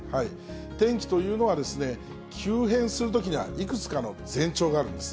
天気というのは、急変するときにはいくつかの前兆があるんです。